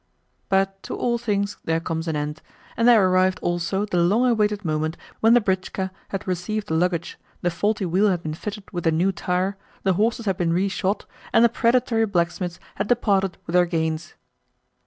But to all things there comes an end, and there arrived also the long awaited moment when the britchka had received the luggage, the faulty wheel had been fitted with a new tyre, the horses had been re shod, and the predatory blacksmiths had departed with their gains.